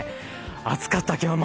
暑かった、今日も。